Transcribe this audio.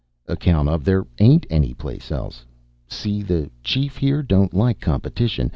"Account of there ain't anyplace else. See, the chief here don't like competition.